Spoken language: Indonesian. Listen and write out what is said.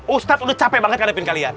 ustadz udah capek banget hadapin kalian